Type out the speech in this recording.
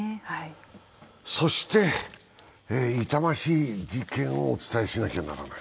そして痛ましい事件をお伝えしなきゃならない。